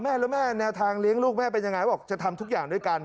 แม่แล้วแม่แนวทางเลี้ยงลูกแม่เป็นยังไงบอกจะทำทุกอย่างด้วยกัน